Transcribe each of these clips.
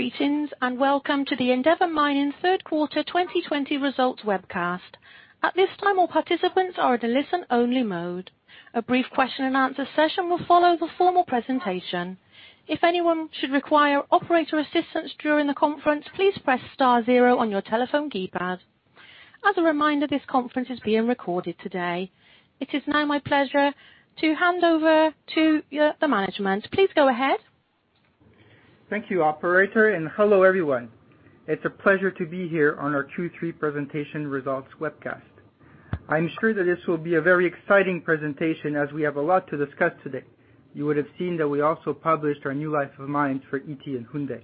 Greetings, and welcome to the Endeavour Mining Third Quarter 2020 Results Webcast. At this time, all participants are in a listen-only mode. A brief question and answer session will follow the formal presentation. If anyone should require operator assistance during the conference, please press star zero on your telephone keypad. As a reminder, this conference is being recorded today. It is now my pleasure to hand over to the management. Please go ahead. Thank you, operator, and hello, everyone. It's a pleasure to be here on our Q3 presentation results webcast. I'm sure that this will be a very exciting presentation as we have a lot to discuss today. You would have seen that we also published our new life of mines for Ity and Houndé.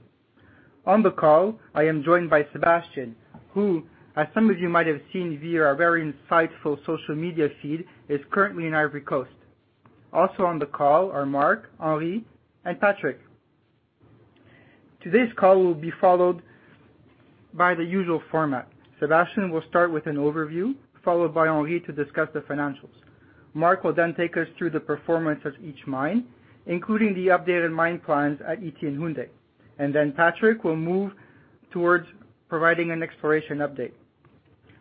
On the call, I am joined by Sébastien, who, as some of you might have seen via our very insightful social media feed, is currently in Côte d'Ivoire. Also on the call are Mark, Henri, and Patrick. Today's call will be followed by the usual format. Sébastien will start with an overview, followed by Henri to discuss the financials. Mark will then take us through the performance of each mine, including the updated mine plans at Ity and Houndé, and then Patrick will move towards providing an exploration update.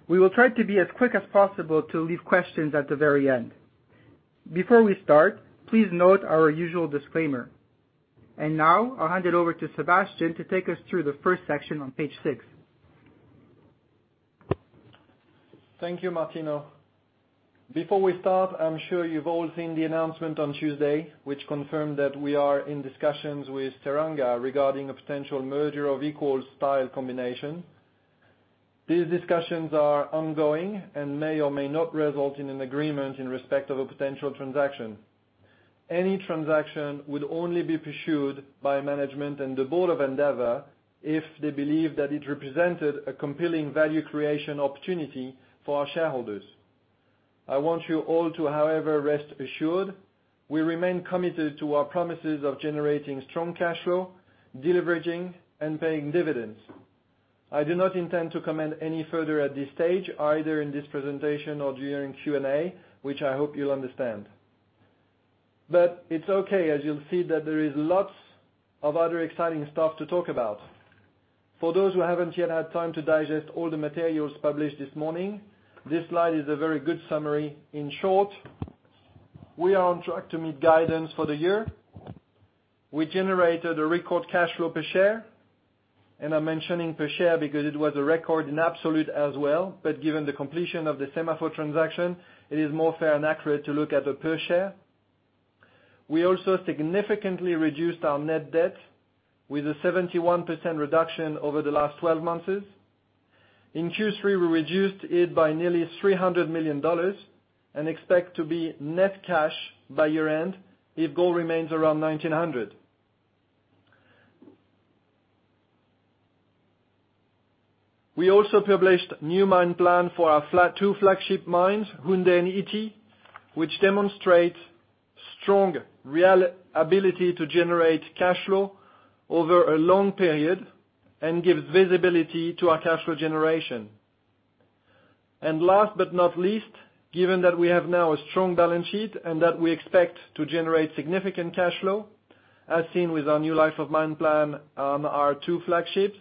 We will try to be as quick as possible to leave questions at the very end. Before we start, please note our usual disclaimer. Now I'll hand it over to Sébastien to take us through the first section on page six. Thank you, Martino. Before we start, I'm sure you've all seen the announcement on Tuesday, which confirmed that we are in discussions with Teranga regarding a potential merger of equal style combination. These discussions are ongoing and may or may not result in an agreement in respect of a potential transaction. Any transaction would only be pursued by management and the board of Endeavour if they believe that it represented a compelling value creation opportunity for our shareholders. I want you all to, however, rest assured, we remain committed to our promises of generating strong cash flow, deleveraging, and paying dividends. I do not intend to comment any further at this stage, either in this presentation or during Q&A, which I hope you'll understand. It's okay, as you'll see that there is lots of other exciting stuff to talk about. For those who haven't yet had time to digest all the materials published this morning, this slide is a very good summary. In short, we are on track to meet guidance for the year. We generated a record cash flow per share, and I'm mentioning per share because it was a record in absolute as well. Given the completion of the SEMAFO transaction, it is more fair and accurate to look at the per share. We also significantly reduced our net debt with a 71% reduction over the last twelve months. In Q3, we reduced it by nearly $300 million and expect to be net cash by year-end if gold remains around 1,900. We also published new mine plan for our two flagship mines, Houndé and Ity, which demonstrate strong, real ability to generate cash flow over a long period and gives visibility to our cash flow generation. Last but not least, given that we have now a strong balance sheet and that we expect to generate significant cash flow, as seen with our new life of mine plan on our two flagships,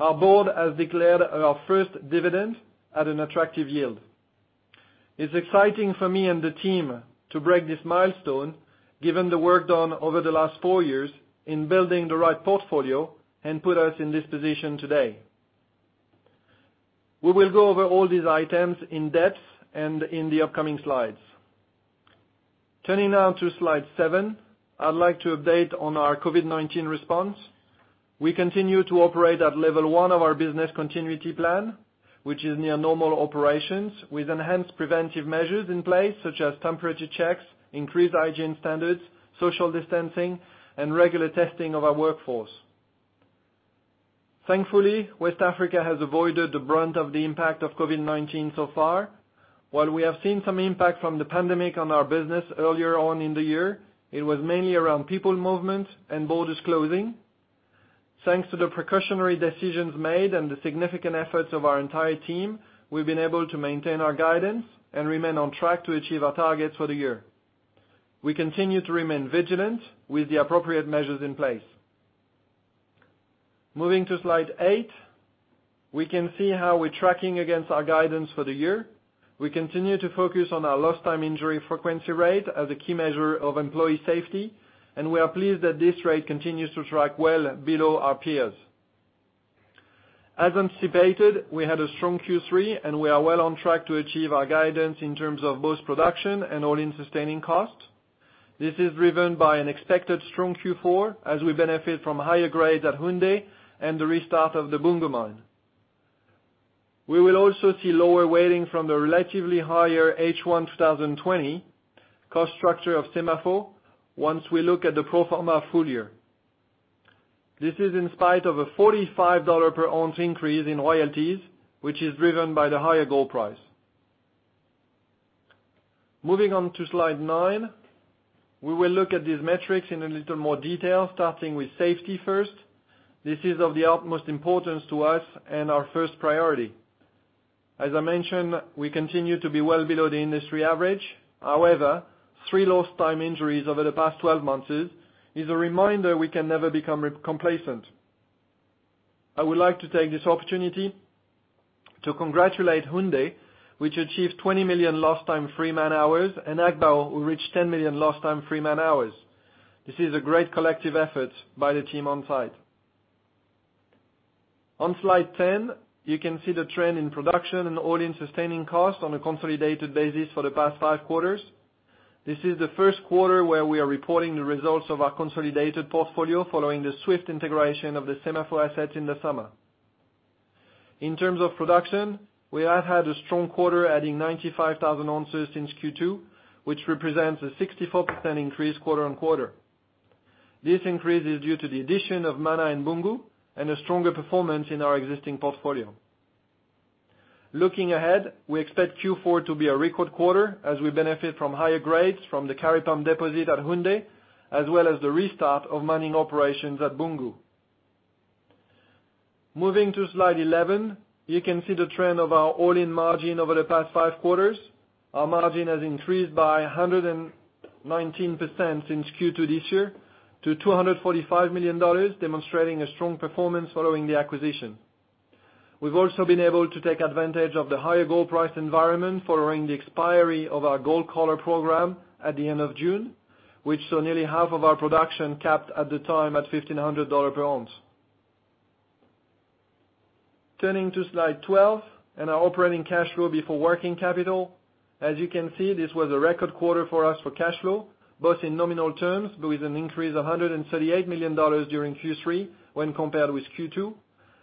our board has declared our first dividend at an attractive yield. It's exciting for me and the team to break this milestone given the work done over the last four years in building the right portfolio and put us in this position today. We will go over all these items in depth and in the upcoming slides. Turning now to slide seven, I'd like to update on our COVID-19 response. We continue to operate at level one of our business continuity plan, which is near-normal operations with enhanced preventive measures in place, such as temperature checks, increased hygiene standards, social distancing, and regular testing of our workforce. Thankfully, West Africa has avoided the brunt of the impact of COVID-19 so far. While we have seen some impact from the pandemic on our business earlier on in the year, it was mainly around people movement and borders closing. Thanks to the precautionary decisions made and the significant efforts of our entire team, we've been able to maintain our guidance and remain on track to achieve our targets for the year. We continue to remain vigilant with the appropriate measures in place. Moving to slide eight, we can see how we're tracking against our guidance for the year. We continue to focus on our lost time injury frequency rate as a key measure of employee safety, and we are pleased that this rate continues to track well below our peers. As anticipated, we had a strong Q3, and we are well on track to achieve our guidance in terms of both production and all-in sustaining cost. This is driven by an expected strong Q4 as we benefit from higher grades at Houndé and the restart of the Boungou mine. We will also see lower weighting from the relatively higher H1 2020 cost structure of SEMAFO once we look at the pro forma full year. This is in spite of a $45 per ounce increase in royalties, which is driven by the higher gold price. Moving on to slide nine, we will look at these metrics in a little more detail, starting with safety first. This is of the utmost importance to us and our first priority. As I mentioned, we continue to be well below the industry average. Three lost time injuries over the past 12 months is a reminder we can never become complacent. I would like to take this opportunity to congratulate Houndé, which achieved 20 million lost time free man hours, and Agbaou, who reached 10 million lost time free man hours. This is a great collective effort by the team on site. On slide 10, you can see the trend in production and all-in sustaining costs on a consolidated basis for the past five quarters. This is the first quarter where we are reporting the results of our consolidated portfolio, following the swift integration of the SEMAFO assets in the summer. In terms of production, we have had a strong quarter, adding 95,000 ounces since Q2, which represents a 64% increase quarter on quarter. This increase is due to the addition of Mana and Boungou, and a stronger performance in our existing portfolio. Looking ahead, we expect Q4 to be a record quarter as we benefit from higher grades from the Kari Pump deposit at Houndé, as well as the restart of mining operations at Boungou. Moving to slide 11, you can see the trend of our all-in margin over the past five quarters. Our margin has increased by 119% since Q2 this year to $245 million, demonstrating a strong performance following the acquisition. We've also been able to take advantage of the higher gold price environment following the expiry of our gold collar program at the end of June, which saw nearly half of our production capped at the time at $1,500 per ounce. Turning to slide 12 and our operating cash flow before working capital. As you can see, this was a record quarter for us for cash flow, both in nominal terms with an increase of $138 million during Q3 when compared with Q2,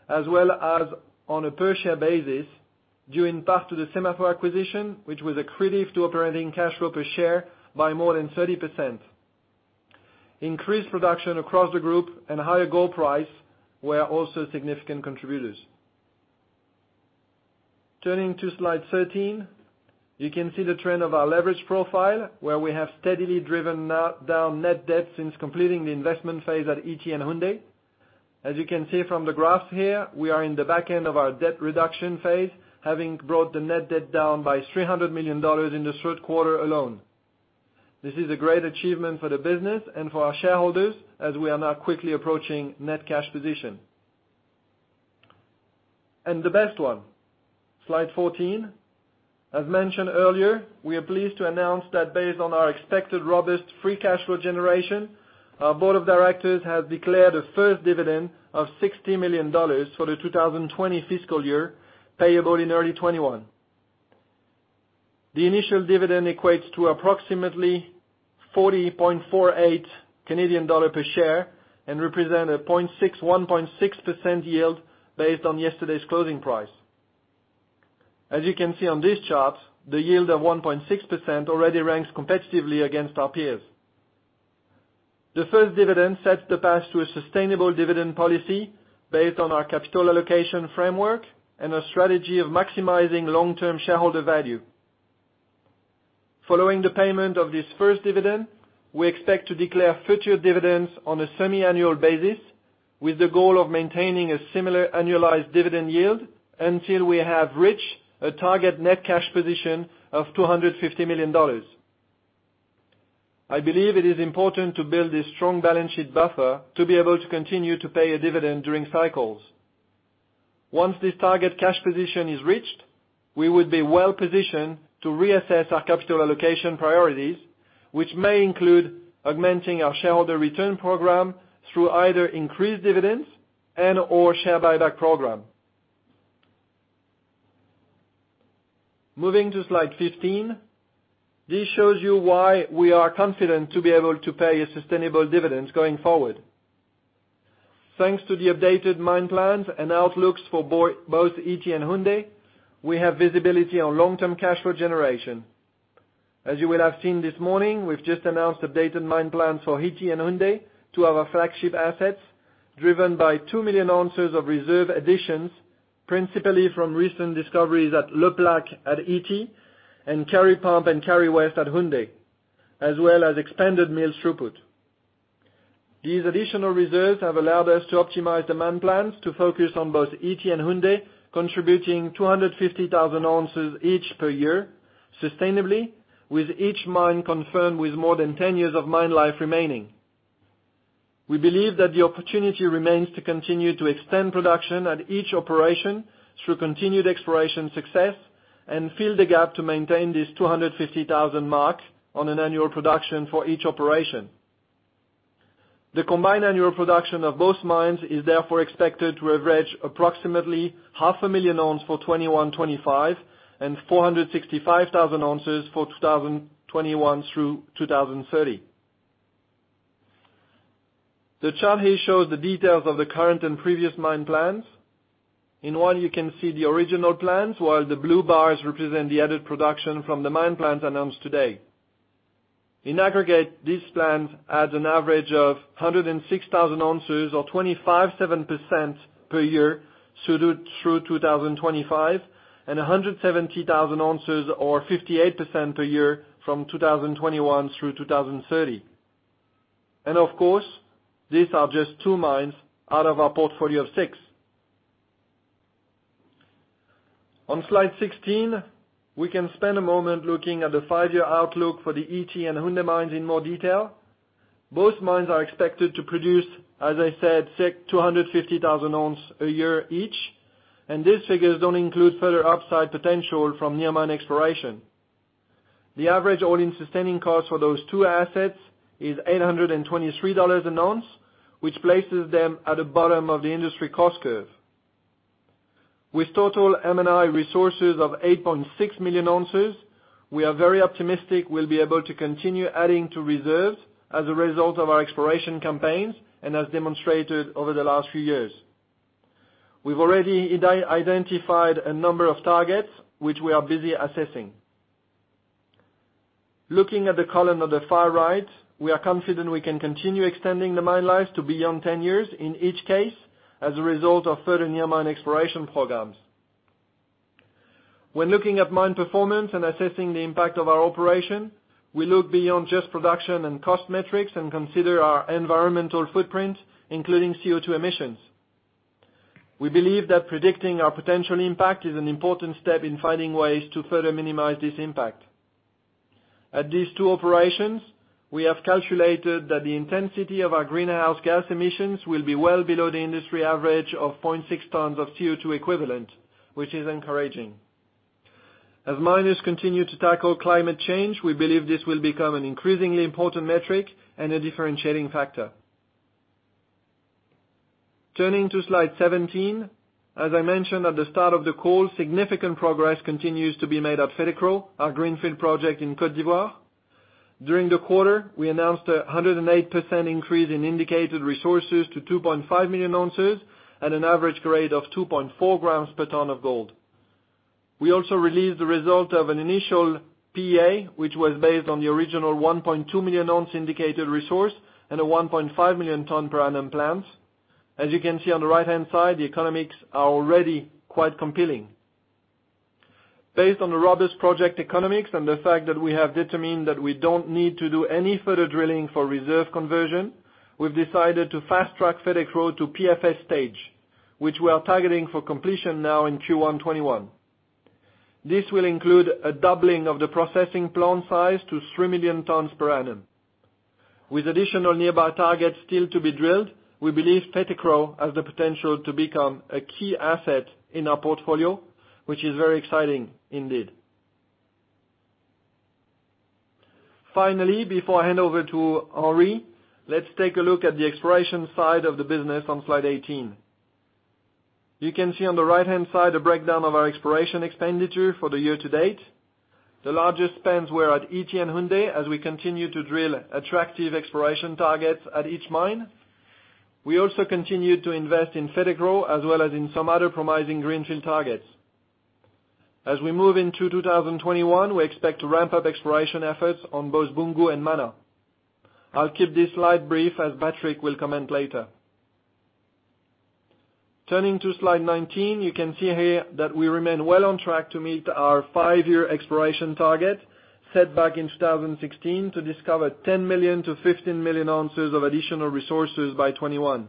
as well as on a per share basis due in part to the SEMAFO acquisition, which was accretive to operating cash flow per share by more than 30%. Increased production across the group and a higher gold price were also significant contributors. Turning to slide 13, you can see the trend of our leverage profile, where we have steadily driven down net debt since completing the investment phase at Ity and Houndé. As you can see from the graph here, we are in the back end of our debt reduction phase, having brought the net debt down by $300 million in this third quarter alone. This is a great achievement for the business and for our shareholders, as we are now quickly approaching net cash position. The best one, slide 14. As mentioned earlier, we are pleased to announce that based on our expected robust free cash flow generation, our board of directors has declared a first dividend of $60 million for the 2020 fiscal year, payable in early 2021. The initial dividend equates to approximately 40.48 Canadian dollar per share and represent a 1.6% yield based on yesterday's closing price. As you can see on this chart, the yield of 1.6% already ranks competitively against our peers. The first dividend sets the path to a sustainable dividend policy based on our capital allocation framework and a strategy of maximizing long-term shareholder value. Following the payment of this first dividend, we expect to declare future dividends on a semi-annual basis, with the goal of maintaining a similar annualized dividend yield until we have reached a target net cash position of $250 million. I believe it is important to build this strong balance sheet buffer to be able to continue to pay a dividend during cycles. Once this target cash position is reached, we would be well positioned to reassess our capital allocation priorities, which may include augmenting our shareholder return program through either increased dividends and/or share buyback program. Moving to slide 15, this shows you why we are confident to be able to pay a sustainable dividend going forward. Thanks to the updated mine plans and outlooks for both Ity and Houndé, we have visibility on long-term cash flow generation. As you will have seen this morning, we've just announced updated mine plans for Ity and Houndé to our flagship assets, driven by 2 million ounces of reserve additions, principally from recent discoveries at Le Plaque at Ity and Kari Pump and Kari West at Houndé, as well as expanded mill throughput. These additional reserves have allowed us to optimize the mine plans to focus on both Ity and Houndé, contributing 250,000 ounces each per year sustainably, with each mine confirmed with more than 10 years of mine life remaining. We believe that the opportunity remains to continue to extend production at each operation through continued exploration success and fill the gap to maintain this 250,000 mark on an annual production for each operation. The combined annual production of both mines is therefore expected to average approximately half a million ounces for 2021-2025 and 465,000 ounces for 2021 through 2030. The chart here shows the details of the current and previous mine plans. In one you can see the original plans, while the blue bars represent the added production from the mine plans announced today. In aggregate, these plans add an average of 106,000 ounces or 25.7% per year through 2025, and 170,000 ounces or 58% per year from 2021 through 2030. Of course, these are just two mines out of our portfolio of six. On slide 16, we can spend a moment looking at the five-year outlook for the Ity and Houndé mines in more detail. Both mines are expected to produce, as I said, 250,000 ounce a year each, and these figures don't include further upside potential from near mine exploration. The average all-in sustaining cost for those two assets is $823 an ounce, which places them at the bottom of the industry cost curve. With total M&I resources of 8.6 million ounces, we are very optimistic we'll be able to continue adding to reserves as a result of our exploration campaigns, and as demonstrated over the last few years. We've already identified a number of targets which we are busy assessing. Looking at the column on the far right, we are confident we can continue extending the mine life to beyond 10 years in each case, as a result of further near mine exploration programs. When looking at mine performance and assessing the impact of our operation, we look beyond just production and cost metrics and consider our environmental footprint, including CO2 emissions. We believe that predicting our potential impact is an important step in finding ways to further minimize this impact. At these two operations, we have calculated that the intensity of our greenhouse gas emissions will be well below the industry average of 0.6 tons of CO2 equivalent, which is encouraging. As miners continue to tackle climate change, we believe this will become an increasingly important metric and a differentiating factor. Turning to slide 17. As I mentioned at the start of the call, significant progress continues to be made at Fetekro, our greenfield project in Côte d'Ivoire. During the quarter, we announced 108% increase in indicated resources to 2.5 million ounces at an average grade of 2.4 grams per ton of gold. We also released the result of an initial PEA, which was based on the original 1.2 million ounce indicated resource and a 1.5 million ton per annum plant. As you can see on the right-hand side, the economics are already quite compelling. Based on the robust project economics and the fact that we have determined that we don't need to do any further drilling for reserve conversion, we've decided to fast-track Fetekro to PFS stage, which we are targeting for completion now in Q1 2021. This will include a doubling of the processing plant size to 3 million tons per annum. With additional nearby targets still to be drilled, we believe Fetekro has the potential to become a key asset in our portfolio, which is very exciting indeed. Finally, before I hand over to Henri, let's take a look at the exploration side of the business on slide 18. You can see on the right-hand side a breakdown of our exploration expenditure for the year to date. The largest spends were at Ity and Houndé, as we continue to drill attractive exploration targets at each mine. We also continued to invest in Fetekro, as well as in some other promising greenfield targets. We move into 2021, we expect to ramp up exploration efforts on both Boungou and Mana. I'll keep this slide brief, as Patrick will comment later. Turning to slide 19, you can see here that we remain well on track to meet our five-year exploration target set back in 2016 to discover 10 million to 15 million ounces of additional resources by 2021.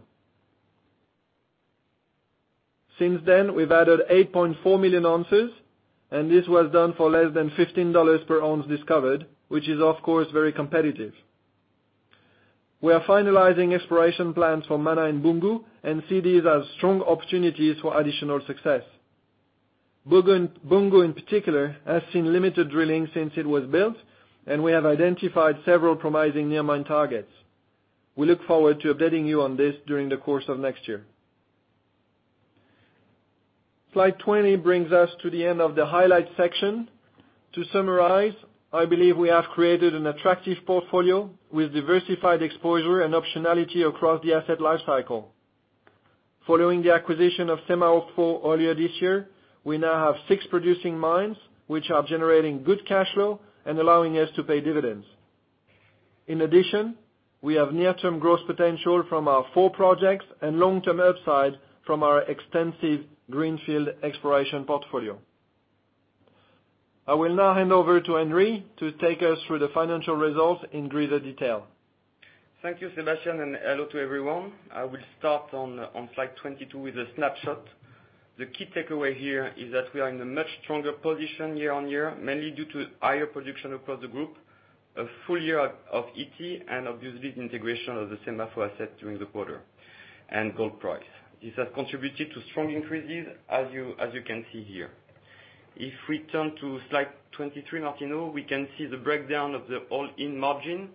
Since then, we've added 8.4 million ounces. This was done for less than $15 per ounce discovered, which is of course very competitive. We are finalizing exploration plans for Mana and Boungou and see these as strong opportunities for additional success. Boungou, in particular, has seen limited drilling since it was built. We have identified several promising near mine targets. We look forward to updating you on this during the course of next year. Slide 20 brings us to the end of the highlights section. To summarize, I believe we have created an attractive portfolio with diversified exposure and optionality across the asset life cycle. Following the acquisition of SEMAFO earlier this year, we now have six producing mines, which are generating good cash flow and allowing us to pay dividends. In addition, we have near-term growth potential from our four projects and long-term upside from our extensive greenfield exploration portfolio. I will now hand over to Henri to take us through the financial results in greater detail. Thank you, Sébastien, and hello to everyone. I will start on slide 22 with a snapshot. The key takeaway here is that we are in a much stronger position year-on-year, mainly due to higher production across the group, a full year of Ity, and obviously the integration of the SEMAFO asset during the quarter, and gold price. This has contributed to strong increases, as you can see here. If we turn to slide 23, Martino, we can see the breakdown of the all-in margin,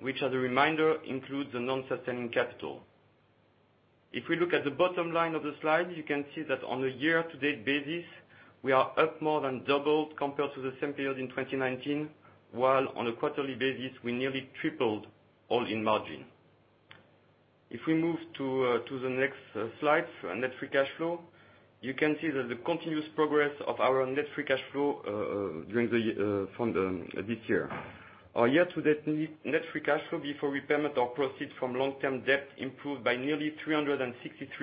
which as a reminder, includes the non-sustaining capital. If we look at the bottom line of the slide, you can see that on a year-to-date basis, we are up more than double compared to the same period in 2019, while on a quarterly basis, we nearly tripled all-in margin. If we move to the next slide, net free cash flow, you can see that the continuous progress of our net free cash flow from this year. Our year-to-date net free cash flow before repayment of proceeds from long-term debt improved by nearly $363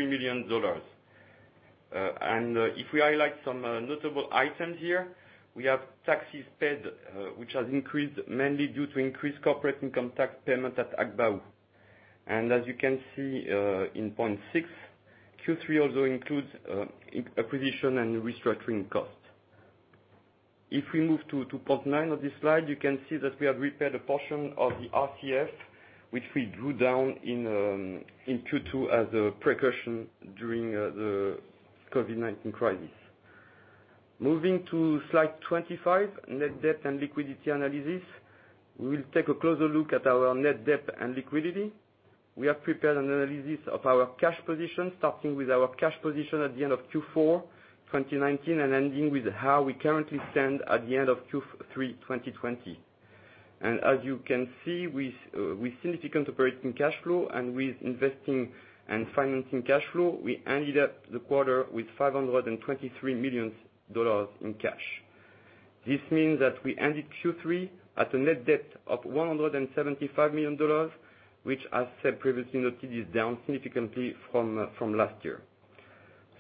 million. If we highlight some notable items here, we have taxes paid, which has increased mainly due to increased corporate income tax payment at Agbaou. As you can see, in point six, Q3 also includes acquisition and restructuring costs. If we move to point nine of this slide, you can see that we have repaid a portion of the RCF, which we drew down in Q2 as a precaution during the COVID-19 crisis. Moving to slide 25, net debt and liquidity analysis. We will take a closer look at our net debt and liquidity. We have prepared an analysis of our cash position, starting with our cash position at the end of Q4 2019, and ending with how we currently stand at the end of Q3 2020. As you can see, with significant operating cash flow and with investing in financing cash flow, we ended up the quarter with $523 million in cash. This means that we ended Q3 at a net debt of $175 million, which, as previously noted, is down significantly from last year.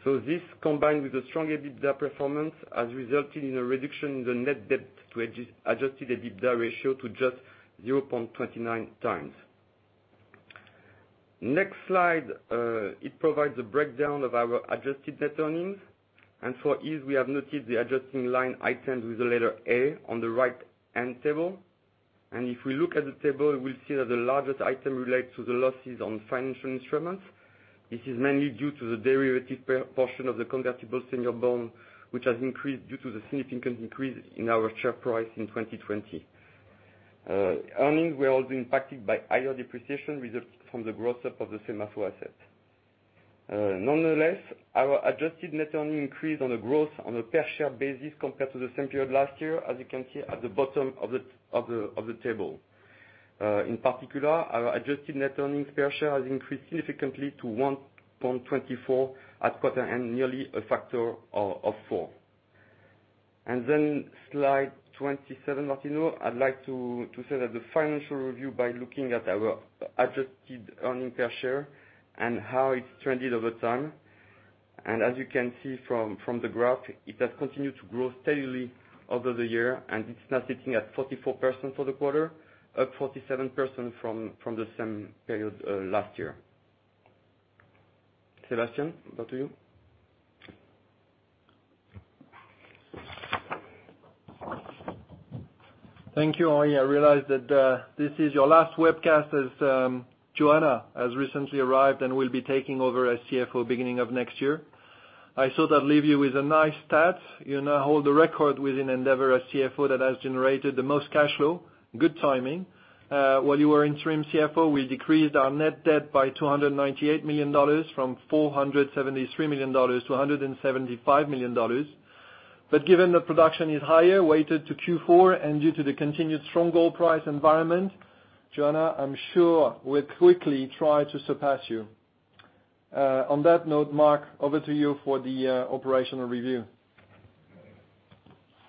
This, combined with a strong EBITDA performance, has resulted in a reduction in the net debt to adjusted EBITDA ratio to just 0.29x. Next slide, it provides a breakdown of our adjusted net earnings. For ease, we have noted the adjusting line items with the letter A on the right-hand table. If we look at the table, we'll see that the largest item relates to the losses on financial instruments. This is mainly due to the derivative portion of the convertible senior bond, which has increased due to the significant increase in our share price in 2020. Earnings were also impacted by higher depreciation results from the gross up of the SEMAFO asset. Nonetheless, our adjusted net earnings increased on a per share basis compared to the same period last year, as you can see at the bottom of the table. In particular, our adjusted net earnings per share has increased significantly to 1.24 at quarter end, nearly a factor of four. Slide 27, Martino, I'd like to set up the financial review by looking at our adjusted earnings per share and how it's trended over time. As you can see from the graph, it has continued to grow steadily over the year, and it's now sitting at 44% for the quarter, up 47% from the same period last year. Sébastien, back to you. Thank you, Henri. I realize that this is your last webcast as Joanna has recently arrived and will be taking over as CFO beginning of next year. I thought I'd leave you with a nice stat. You now hold the record within Endeavour as CFO that has generated the most cash flow. Good timing. While you were interim CFO, we decreased our net debt by $298 million from $473 million to $175 million. Given the production is higher weighted to Q4, and due to the continued strong gold price environment, Joanna, I'm sure will quickly try to surpass you. On that note, Mark, over to you for the operational review.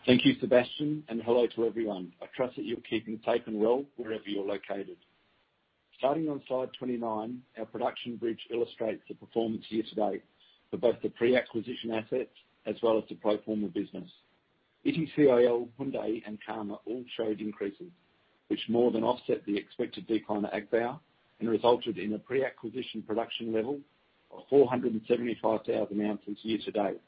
Thank you, Sébastien, and hello to everyone. I trust that you're keeping safe and well wherever you're located. Starting on slide 29, our production bridge illustrates the performance year to date for both the pre-acquisition assets as well as the pro forma business. Ity CIL, Houndé, and Karma all showed increases, which more than offset the expected decline at Agbaou, and resulted in a pre-acquisition production level of 475,000 ounces year to date.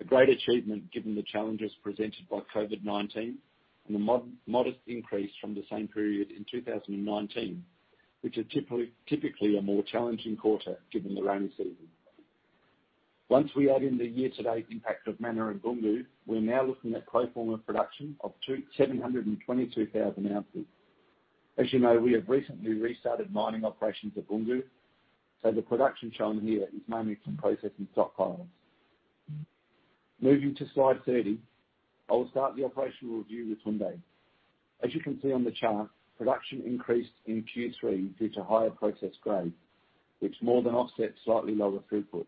A great achievement given the challenges presented by COVID-19 and a modest increase from the same period in 2019, which is typically a more challenging quarter given the rainy season. Once we add in the year-to-date impact of Mana and Boungou, we're now looking at pro forma production of 722,000 ounces. As you know, we have recently restarted mining operations at Boungou, so the production shown here is mainly from processing stockpiles. Moving to slide 30, I will start the operational review with Houndé. As you can see on the chart, production increased in Q3 due to higher process grade, which more than offset slightly lower throughput.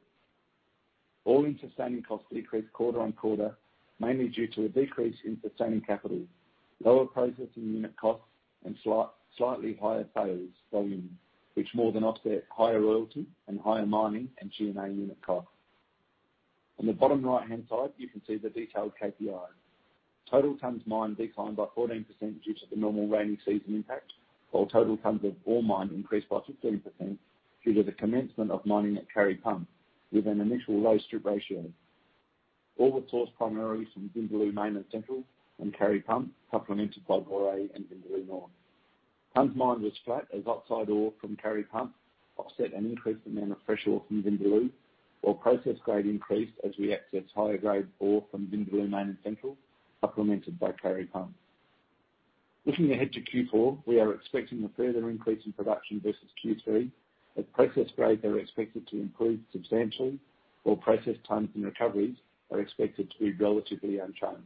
All-in sustaining costs decreased quarter-on-quarter, mainly due to a decrease in sustaining capital, lower processing unit costs, and slightly higher sales volume, which more than offset higher royalty and higher mining and G&A unit costs. On the bottom right-hand side, you can see the detailed KPI. Total tonnes mined declined by 14% due to the normal rainy season impact, while total tonnes of ore mined increased by 15% due to the commencement of mining at Kari South, with an initial low strip ratio. Ores sourced primarily from Vindaloo Main and Kari Center and Kari South, complemented by Goura and Vindaloo North. Tonnes mined was flat, as outside ore from Kari South offset an increased amount of fresh ore from Vindaloo, while process grade increased as we accessed higher-grade ore from Vindaloo Main and Central, complemented by Kari South. Looking ahead to Q4, we are expecting a further increase in production versus Q3 as process grades are expected to improve substantially while processed tonnes and recoveries are expected to be relatively unchanged.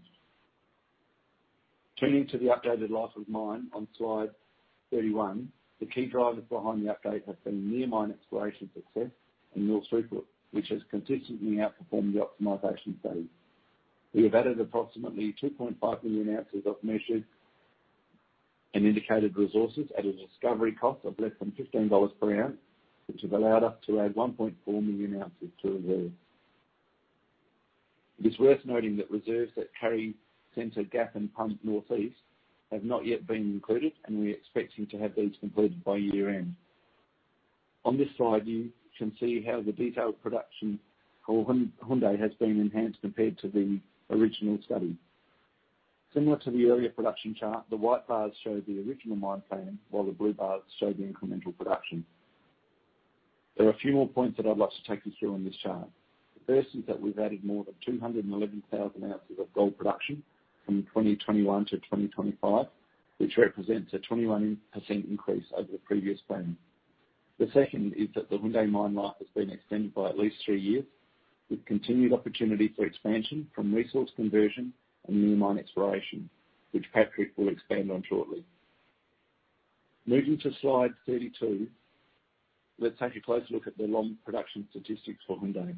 Turning to the updated life of mine on Slide 31, the key drivers behind the update have been near mine exploration success and mill throughput, which has consistently outperformed the optimization phase. We have added approximately 2.5 million ounces of measured and indicated resources at a discovery cost of less than $15 per ounce, which has allowed us to add 1.4 million ounces to reserves. It is worth noting that reserves at Kari Center, Gap, and Pump Northeast have not yet been included, and we're expecting to have these completed by year-end. On this slide, you can see how the detailed production for Houndé has been enhanced compared to the original study. Similar to the earlier production chart, the white bars show the original mine plan, while the blue bars show the incremental production. There are a few more points that I'd like to take you through on this chart. The first is that we've added more than 211,000 ounces of gold production from 2021 to 2025, which represents a 21% increase over the previous plan. The second is that the Houndé mine life has been extended by at least three years with continued opportunity for expansion from resource conversion and new mine exploration, which Patrick will expand on shortly. Moving to Slide 32, let's take a closer look at the long production statistics for Houndé.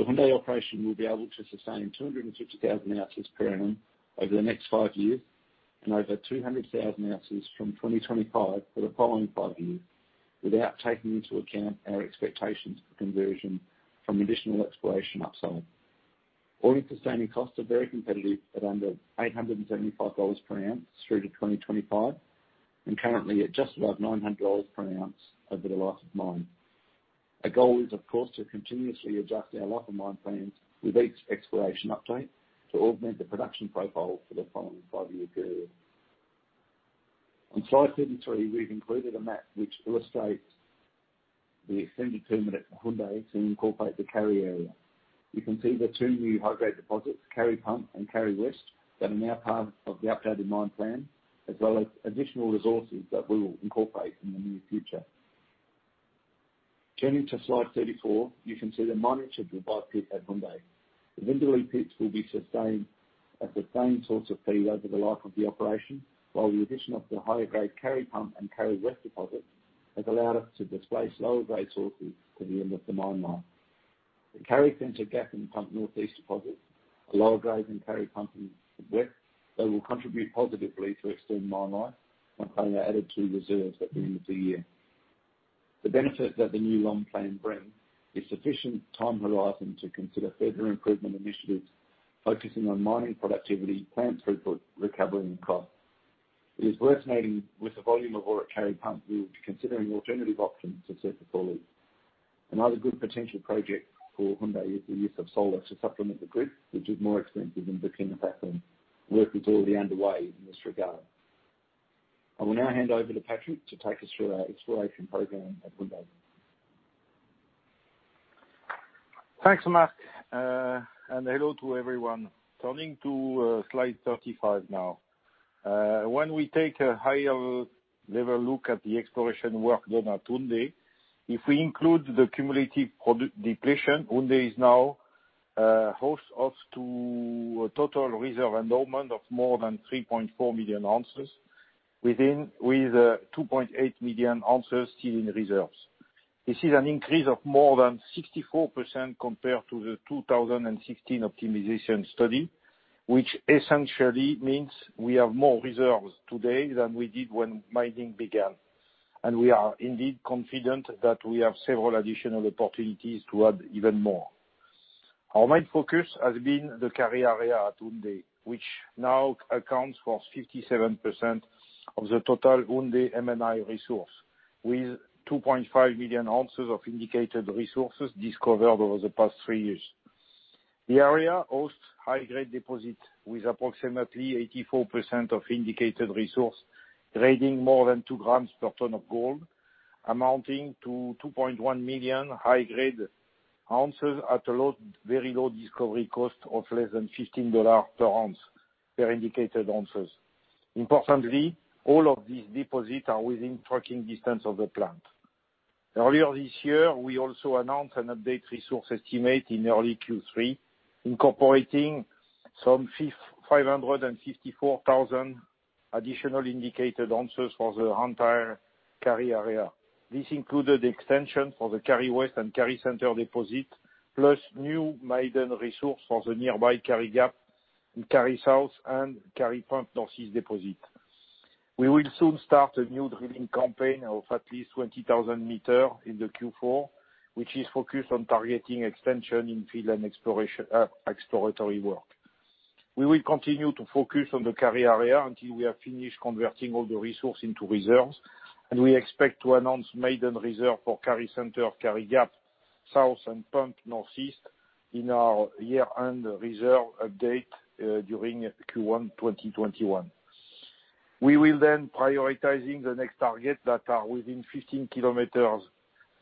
The Houndé operation will be able to sustain 250,000 ounces per annum over the next five years, and over 200,000 ounces from 2025 for the following five years, without taking into account our expectations for conversion from additional exploration upside. All-in sustaining costs are very competitive at under $875 per ounce through to 2025, and currently at just above $900 per ounce over the life of mine. Our goal is, of course, to continuously adjust our life-of-mine plans with each exploration update to augment the production profile for the following five-year period. On Slide 33, we've included a map which illustrates the extended term at Houndé to incorporate the Kari Area. You can see the two new high-grade deposits, Kari Pump and Kari West, that are now part of the updated mine plan, as well as additional resources that we will incorporate in the near future. Turning to Slide 34, you can see the mining schedule by pit at Houndé. The Vindaloo pits will be sustained as the same source of feed over the life of the operation, while the addition of the higher-grade Kari Pump and Kari West deposits has allowed us to displace lower-grade sources to the end of the mine life. The Kari Center, Kari Gap, and Kari Pump Northeast deposits are lower grade than Kari Pump and Kari West, though will contribute positively to extend mine life when they are added to reserves at the end of the year. The benefit that the new long plan brings is sufficient time horizon to consider further improvement initiatives focusing on mining productivity, plant throughput, recovery, and cost. It is worth noting, with the volume of ore at Kari Pump, we will be considering alternative options to CIL circuit. Another good potential project for Houndé is the use of solar to supplement the grid, which is more expensive in Burkina Faso. Work is already underway in this regard. I will now hand over to Patrick to take us through our exploration program at Houndé. Thanks, Mark. Hello to everyone. Turning to Slide 35 now. When we take a higher-level look at the exploration work done at Houndé, if we include the cumulative production, Houndé is now host to a total reserve endowment of more than 3.4 million ounces, with 2.8 million ounces still in reserves. This is an increase of more than 64% compared to the 2016 optimization study, which essentially means we have more reserves today than we did when mining began. We are indeed confident that we have several additional opportunities to add even more. Our main focus has been the Kari Area at Houndé, which now accounts for 57% of the total Houndé M&I resource, with 2.5 million ounces of indicated resources discovered over the past three years. The area hosts high-grade deposits with approximately 84% of indicated resource grading more than two grams per ton of gold, amounting to 2.1 million high-grade ounces at a very low discovery cost of less than $15 per ounce, per indicated ounces. Importantly, all of these deposits are within trucking distance of the plant. Earlier this year, we also announced an updated resource estimate in early Q3, incorporating some 554,000 additional indicated ounces for the entire Kari Area. This included the extension for the Kari West and Kari Center deposit, plus new maiden resource for the nearby Kari Gap, Kari South, and Kari Pump Northeast deposit. We will soon start a new drilling campaign of at least 20,000 meters in the Q4, which is focused on targeting extension in fill and exploratory work. We will continue to focus on the Kari Area until we have finished converting all the resource into reserves, and we expect to announce maiden reserve for Kari Center, Kari Gap South, and Pump Northeast in our year-end reserve update during Q1 2021. We will then prioritizing the next targets that are within 15 kilometers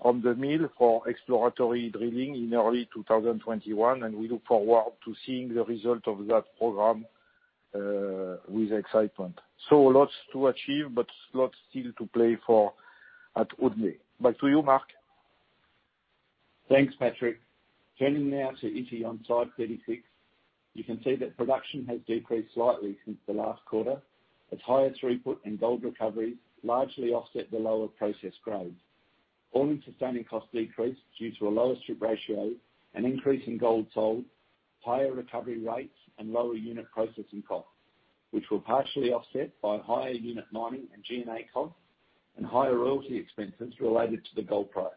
of the mill for exploratory drilling in early 2021, and we look forward to seeing the result of that program, with excitement. Lots to achieve, but lots still to play for at Houndé. Back to you, Mark. Thanks, Patrick. Turning now to Ity on Slide 36. You can see that production has decreased slightly since the last quarter, as higher throughput and gold recovery largely offset the lower processed grade. all-in sustaining costs decreased due to a lower strip ratio, an increase in gold sold, higher recovery rates, and lower unit processing costs, which were partially offset by higher unit mining and G&A costs and higher royalty expenses related to the gold price.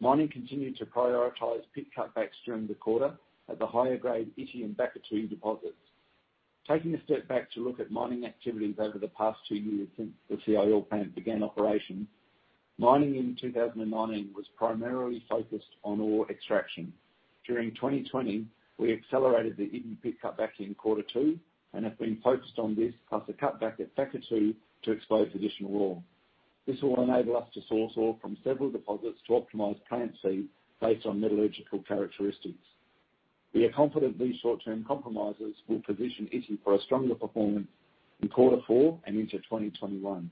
Mining continued to prioritize pit cutbacks during the quarter at the higher-grade Ity and Bakatouo deposits. Taking a step back to look at mining activities over the past two years since the CIL plant began operations, mining in 2019 was primarily focused on ore extraction. During 2020, we accelerated the Ity pit cutback in quarter two and have been focused on this, plus a cutback at Bakatouo to expose additional ore. This will enable us to source ore from several deposits to optimize plant feed based on metallurgical characteristics. We are confident these short-term compromises will position Ity for a stronger performance in quarter four and into 2021.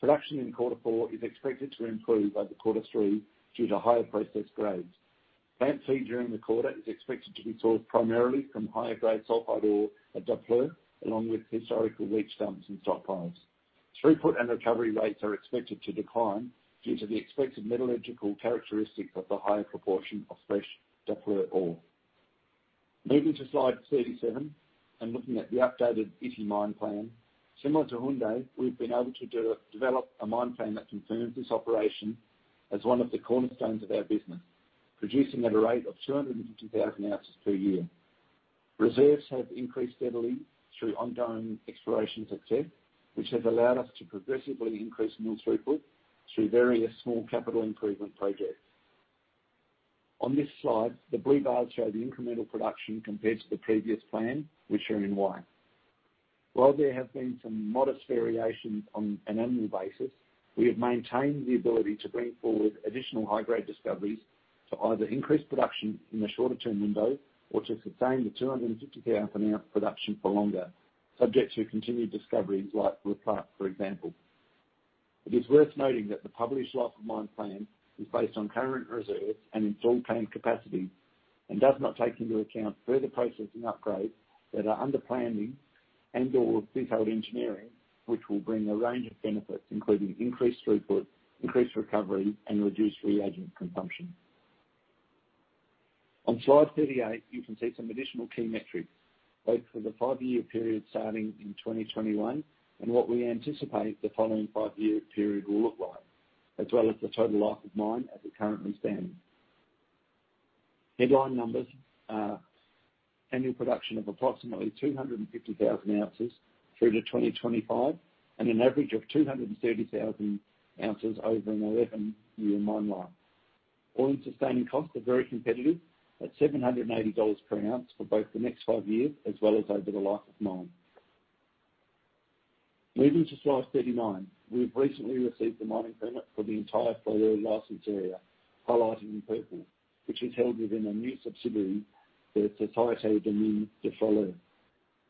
Production in quarter four is expected to improve over quarter three due to higher processed grades. Plant feed during the quarter is expected to be sourced primarily from higher-grade sulfide ore at Daapleu, along with historical leach dumps and stockpiles. Throughput and recovery rates are expected to decline due to the expected metallurgical characteristics of the higher proportion of fresh Daapleu ore. Moving to slide 37 and looking at the updated Ity mine plan, similar to Houndé, we've been able to develop a mine plan that confirms this operation as one of the cornerstones of our business, producing at a rate of 250,000 ounces per year. Reserves have increased steadily through ongoing exploration success, which has allowed us to progressively increase mill throughput through various small capital improvement projects. On this slide, the blue bars show the incremental production compared to the previous plan, which are in white. While there have been some modest variations on an annual basis, we have maintained the ability to bring forward additional high-grade discoveries to either increase production in the shorter-term window or to sustain the 250,000 ounce production for longer, subject to continued discoveries like Le Plaque, for example. It is worth noting that the published life of mine plan is based on current reserves and installed plant capacity and does not take into account further processing upgrades that are under planning and/or detailed engineering, which will bring a range of benefits, including increased throughput, increased recovery, and reduced reagent consumption. On slide 38, you can see some additional key metrics, both for the five-year period starting in 2021 and what we anticipate the following five-year period will look like, as well as the total life of mine as it currently stands. Headline numbers are annual production of approximately 250,000 ounces through to 2025, and an average of 230,000 ounces over an 11-year mine life. All-in sustaining costs are very competitive at $780 per ounce for both the next five years as well as over the life of mine. Moving to slide 39. We've recently received the mining permit for the entire Floleu license area, highlighted in purple, which is held within a new subsidiary, the Société des Mines de Floleu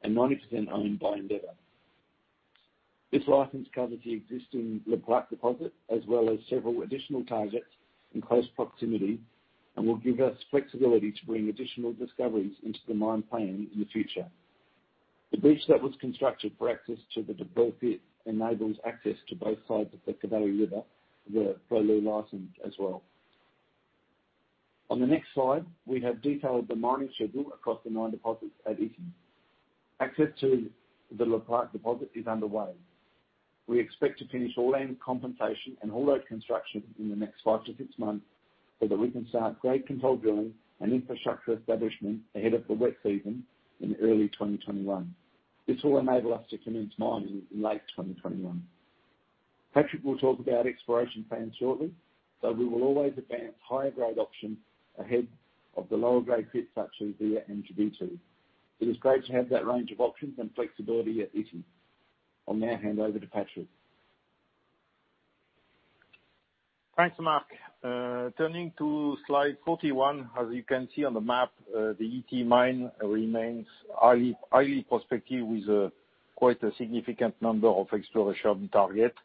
and 90% owned by Endeavour. This license covers the existing Le Plaque deposit, as well as several additional targets in close proximity, and will give us flexibility to bring additional discoveries into the mine plan in the future. The bridge that was constructed for access to the Daapleu pit enables access to both sides of the Cavaly River, the Floleu license as well. On the next slide, we have detailed the mining schedule across the mine deposits at Ity. Access to the Le Plaque deposit is underway. We expect to finish all land compensation and haul road construction in the next five to six months, so that we can start grade control drilling and infrastructure establishment ahead of the wet season in early 2021. This will enable us to commence mining in late 2021. Patrick will talk about exploration plans shortly, though we will always advance higher-grade options ahead of the lower-grade pits such as Dia and Djibiti. It is great to have that range of options and flexibility at Ity. I'll now hand over to Patrick. Thanks, Mark. Turning to slide 41, as you can see on the map, the Ity mine remains highly prospective with quite a significant number of exploration targets,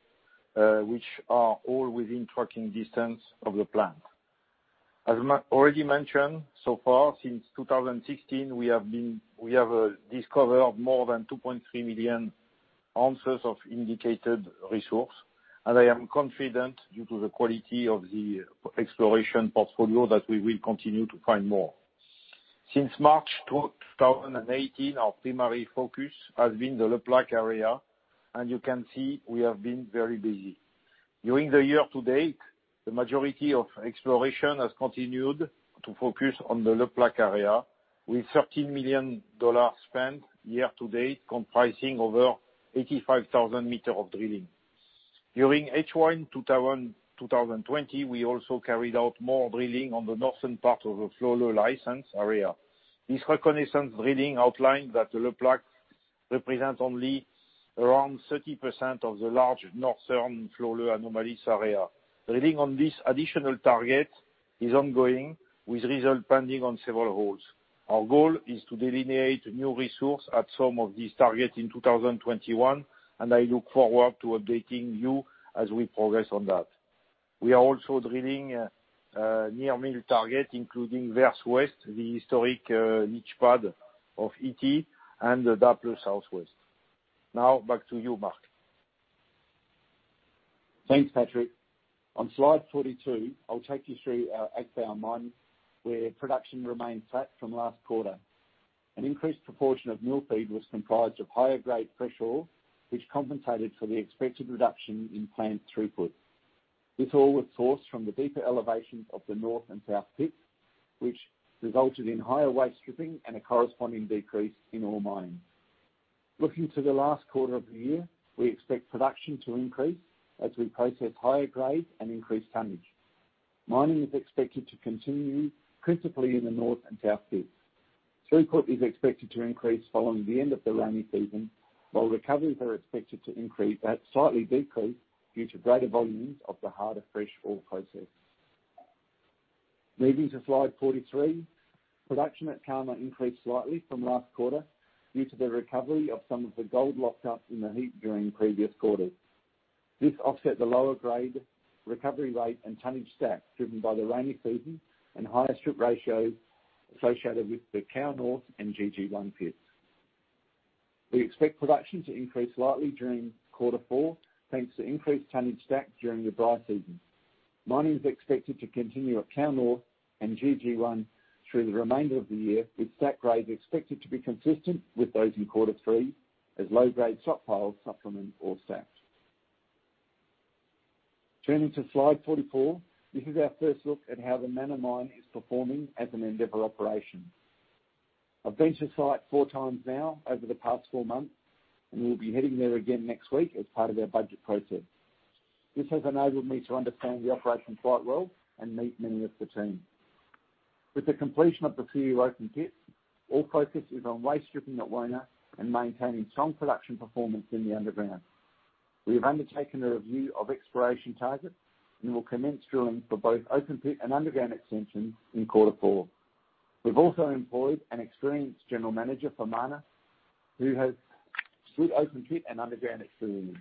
which are all within trucking distance of the plant. As Mark already mentioned, so far since 2016, we have discovered more than 2.3 million ounces of indicated resource. I am confident, due to the quality of the exploration portfolio, that we will continue to find more. Since Markh 2018, our primary focus has been the Le Plaque area. You can see we have been very busy. During the year to date, the majority of exploration has continued to focus on the Le Plaque area, with $13 million spent year to date, comprising over 85,000 meters of drilling. During H1 2020, we also carried out more drilling on the northern part of the Floleu license area. This reconnaissance drilling outlined that Le Plaque represents only around 30% of the large northern Floleu anomalies area. Drilling on this additional target is ongoing, with results pending on several holes. Our goal is to delineate new resource at some of these targets in 2021, and I look forward to updating you as we progress on that. We are also drilling near-mill targets, including Verse Ouest, the historic leach pad of Ity, and the Daapleu South West. Now back to you, Mark. Thanks, Patrick. On Slide 42, I'll take you through our Agbaou mine, where production remains flat from last quarter. An increased proportion of mill feed was comprised of higher-grade fresh ore, which compensated for the expected reduction in plant throughput. This ore was sourced from the deeper elevations of the north and south pits, which resulted in higher waste stripping and a corresponding decrease in ore mining. Looking to the last quarter of the year, we expect production to increase as we process higher grades and increase tonnage. Mining is expected to continue, principally in the north and south pits. Throughput is expected to increase following the end of the rainy season, while recoveries are expected to slightly decrease due to greater volumes of the harder fresh ore processed. Moving to Slide 43. Production at Karma increased slightly from last quarter due to the recovery of some of the gold locked up in the heap during previous quarters. This offset the lower grade recovery rate and tonnage stacked, driven by the rainy season and higher strip ratios associated with the Kao North and GG1 pits. We expect production to increase slightly during quarter four, thanks to increased tonnage stacked during the dry season. Mining is expected to continue at Kao North and GG1 through the remainder of the year, with stack rates expected to be consistent with those in quarter three, as low-grade stockpiles supplement ore stacks. Turning to slide 44. This is our first look at how the Mana mine is performing as an Endeavour operation. I've been to site four times now over the past four months, and we'll be heading there again next week as part of our budget process. This has enabled me to understand the operation quite well and meet many of the team. With the completion of the Siou open pit, all focus is on waste stripping at Wona and maintaining strong production performance in the underground. We have undertaken a review of exploration targets and will commence drilling for both open pit and underground extensions in quarter four. We've also employed an experienced general manager for Mana who has good open pit and underground experience.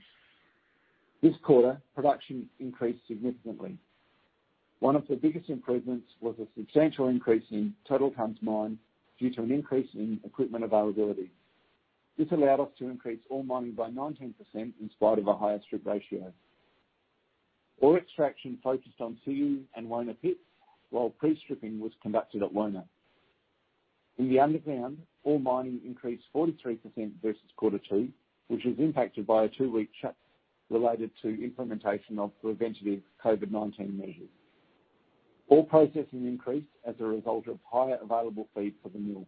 This quarter, production increased significantly. One of the biggest improvements was a substantial increase in total tonnes mined due to an increase in equipment availability. This allowed us to increase ore mining by 19%, in spite of a higher strip ratio. Ore extraction focused on Siou and Wona pits, while pre-stripping was conducted at Wona. In the underground, ore mining increased 43% versus quarter two, which was impacted by a two-week shut related to implementation of preventative COVID-19 measures. Ore processing increased as a result of higher available feed for the mill.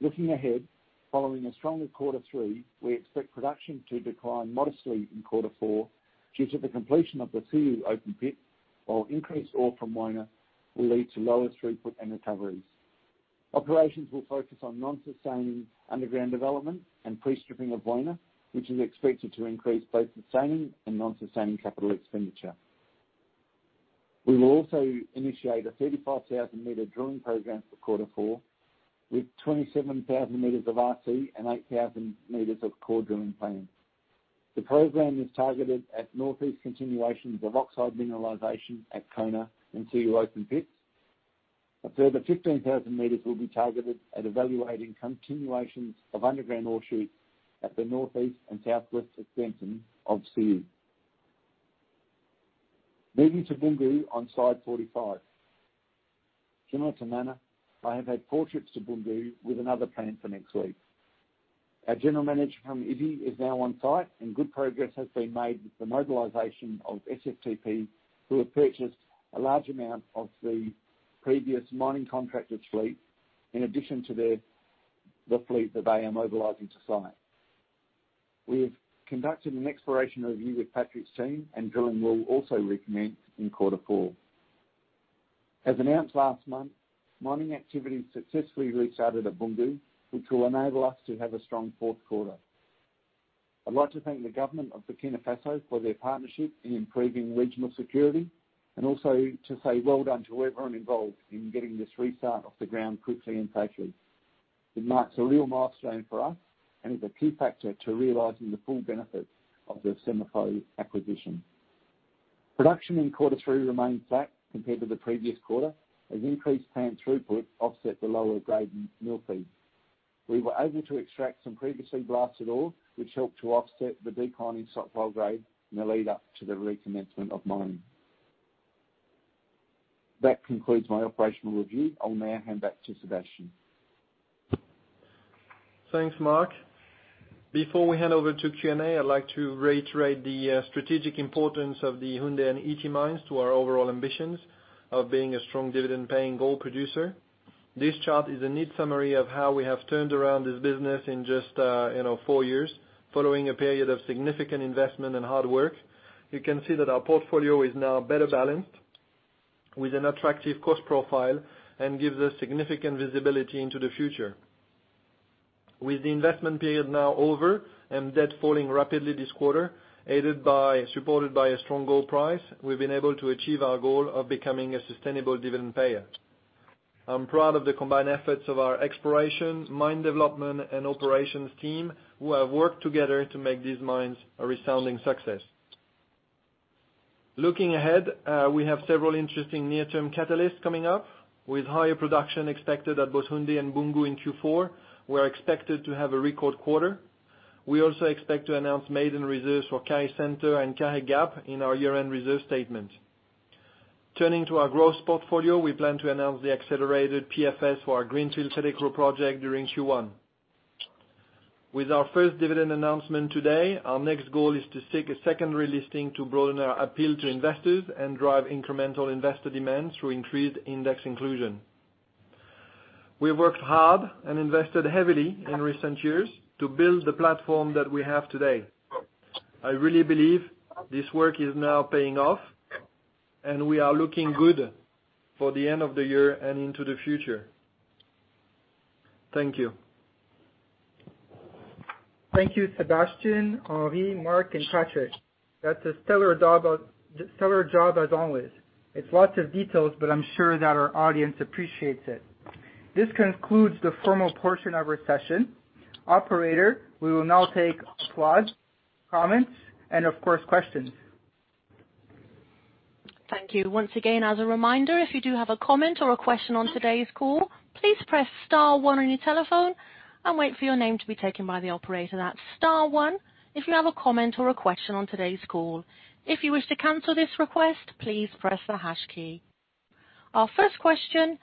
Looking ahead, following a stronger quarter three, we expect production to decline modestly in quarter four due to the completion of the Siou open pit, while increased ore from Wona will lead to lower throughput and recoveries. Operations will focus on non-sustaining underground development and pre-stripping of Wona, which is expected to increase both sustaining and non-sustaining capital expenditure. We will also initiate a 35,000-meter drilling program for quarter four, with 27,000 meters of RC and 8,000 meters of core drilling planned. The program is targeted at northeast continuations of oxide mineralization at Wona and Siou open pits. A further 15,000 meters will be targeted at evaluating continuations of underground ore shoots at the northeast and southwest extension of Siou. Moving to Boungou on Slide 45. Similar to Mana, I have had four trips to Boungou with another planned for next week. Our general manager from Ity is now on-site, and good progress has been made with the mobilization of SFTP, who have purchased a large amount of the previous mining contracted fleet, in addition to the fleet that they are mobilizing to site. We have conducted an exploration review with Patrick's team, drilling will also recommence in quarter four. As announced last month, mining activity successfully restarted at Boungou, which will enable us to have a strong fourth quarter. I'd like to thank the government of Burkina Faso for their partnership in improving regional security and also to say well done to everyone involved in getting this restart off the ground quickly and safely. It marks a real milestone for us and is a key factor to realizing the full benefits of the SEMAFO acquisition. Production in quarter three remained flat compared to the previous quarter, as increased plant throughput offset the lower-grade mill feed. We were able to extract some previously blasted ore, which helped to offset the decline in stockpile grade in the lead up to the recommencement of mining. That concludes my operational review. I'll now hand back to Sébastien. Thanks, Mark. Before we hand over to Q&A, I'd like to reiterate the strategic importance of the Houndé and Ity mines to our overall ambitions of being a strong dividend-paying gold producer. This chart is a neat summary of how we have turned around this business in just four years, following a period of significant investment and hard work. You can see that our portfolio is now better balanced, with an attractive cost profile, and gives us significant visibility into the future. With the investment period now over and debt falling rapidly this quarter, supported by a strong gold price, we've been able to achieve our goal of becoming a sustainable dividend payer. I'm proud of the combined efforts of our exploration, mine development, and operations team, who have worked together to make these mines a resounding success. Looking ahead, we have several interesting near-term catalysts coming up. With higher production expected at both Houndé and Boungou in Q4, we're expected to have a record quarter. We also expect to announce maiden reserves for Kari Center and Kari Gap in our year-end reserve statement. Turning to our growth portfolio, we plan to announce the accelerated PFS for our greenfield Fetekro project during Q1. With our first dividend announcement today, our next goal is to seek a secondary listing to broaden our appeal to investors and drive incremental investor demand through increased index inclusion. We've worked hard and invested heavily in recent years to build the platform that we have today. I really believe this work is now paying off, and we are looking good for the end of the year and into the future. Thank you. Thank you, Sébastien, Henri, Mark, and Patrick. That's a stellar job as always. It's lots of details, but I'm sure that our audience appreciates it. This concludes the formal portion of our session. Operator, we will now take applause, comments, and of course, questions. Thank you. Once again, as a reminder, if you do have a comment or a question on today's call, please press star one on your telephone and wait for your name to be taken by the operator. That's star one if you have a comment or a question on today's call. If you wish to cancel this request, please press the hash key. Our first question